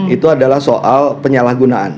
itu adalah soal penyalahgunaan